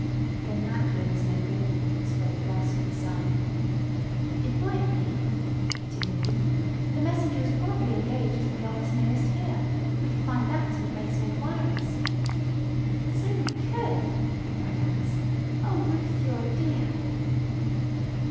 "Then that clue is no good," spoke Russ, with a sigh. "It might be," put in Ruth. "The messenger was probably engaged from the office nearest here. We could find that and make some inquiries." "So we could!" cried Alice. "Oh, Ruth, you're a dear!"